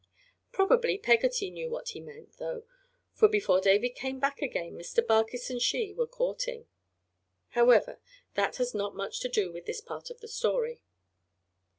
Probably Peggotty knew what he meant, though, for before David came back again Mr. Barkis and she were courting. However, that has not much to do with this part of the story.